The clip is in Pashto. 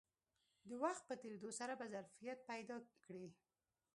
د وخت په تېرېدو سره به ظرفیت پیدا کړي